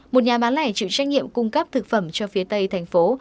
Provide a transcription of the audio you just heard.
một nhà bán lẻ chịu trách nhiệm cung cấp thực phẩm cho phía tây thành phố